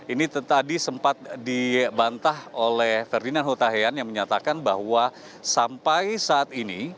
ini tadi sempat dibantah oleh ferdinand hutahian yang menyatakan bahwa sampai saat ini